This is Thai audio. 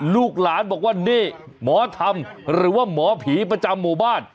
ลูกหลานบอกว่านี่หมอธรรมหรือว่าหมอผีประจำหมู่บ้าน